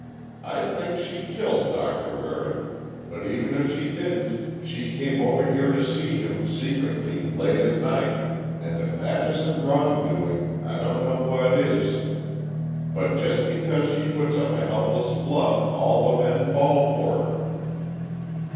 I think she killed Doctor Waring, but even if she didn't, she came over here to see him, secretly, late at night, and if that isn't wrong doing, I don't know what is! But just because she puts up a helpless bluff, all the men fall for her!"